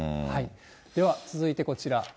では続いてこちら。